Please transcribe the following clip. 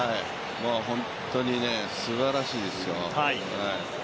もう本当にすばらしいですよ。